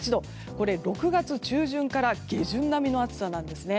これ、６月中旬から下旬並みの暑さなんですね。